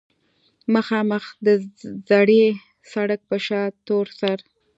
مخامخ د زړې سړک پۀ شا تورسر